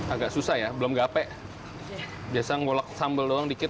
agak susah ya belum gape biasa ngolok sambal doang dikit